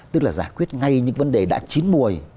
tức là giải quyết ngay những vấn đề đã chín mùi